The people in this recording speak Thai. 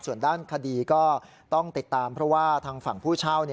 ส่วนด้านคดีก็ต้องติดตามเพราะว่าทางฝั่งผู้เช่า